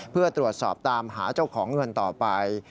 เพื่อตรวจสอบตามหาเจ้าของเงินต่อไป